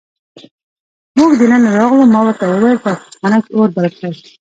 موږ دننه راغلو، ما ورته وویل: په اشپزخانه کې اور بل کړئ.